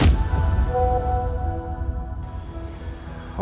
jadi aku bisa cari tau